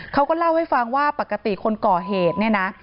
เขาก็เล่าให้ฟังว่าปกติคนก่อเหตุเนี่ยนะ